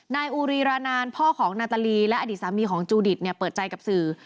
นายอูรีรานานพ่อของนาตาลีและอดีตสามีของจูดิตเปิดใจกับสื่อ